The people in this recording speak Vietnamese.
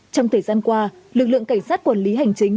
trong thời gian qua lực lượng cảnh sát quản lý hành chính